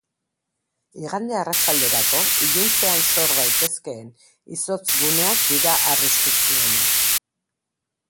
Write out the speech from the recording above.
Igande arratsalderako, iluntzean sor daitezkeen izotz guneak dira arriskutsuenak.